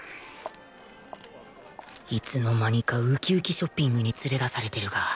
いつの間にかウキウキショッピングに連れ出されてるが